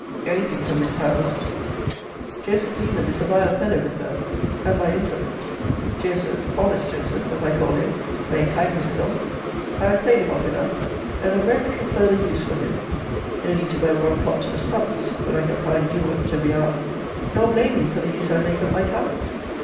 Any thing from Miss Howe must. Joseph Leman is a vile fellow with her, and my implement. Joseph, honest Joseph, as I call him, may hang himself. I have played him off enough, and have very little further use for him. No need to wear one plot to the stumps, when I can find new ones every hour. Nor blame me for the use I make of my talents.